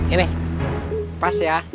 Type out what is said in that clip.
ini pas ya